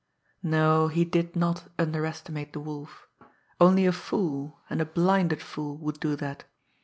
No, he did not underestimate the Wolf only a fool, and a blinded fool, would do that.